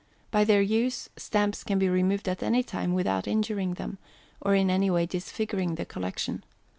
By their use, Stamps can be removed at any time without injuring them, or in any way disfiguring the Collection.